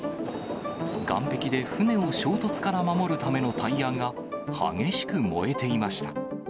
岸壁で船を衝突から守るためのタイヤが激しく燃えていました。